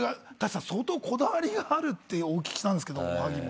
相当こだわりがあるってお聞きしたんですけどおはぎも。